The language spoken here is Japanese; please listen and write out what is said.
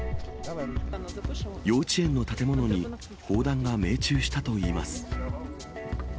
幼稚園の建物に砲弾が命中したといいます。